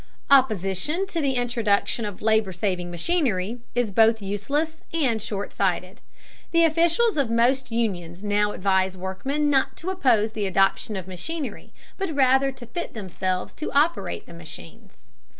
Opposition to the introduction of labor saving machinery is both useless and short sighted. The officials of most unions now advise workmen not to oppose the adoption of machinery, but rather to fit themselves to operate the machines.